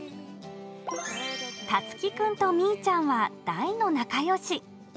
たつき君とみーちゃんは大の仲よし。